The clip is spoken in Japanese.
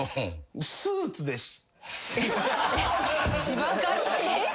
芝刈りに？